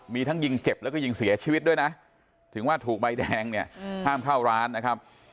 มีทั้งยิงเจ็บแล้วก็ยิงเสียชีวิตด้วยนะถึงว่าถูกใบแดงเนี่ยห้ามเข้าร้านนะครับ